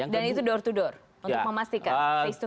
dan itu door to door untuk memastikan face to face